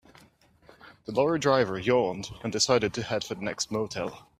The lorry driver yawned and decided to head for the next motel.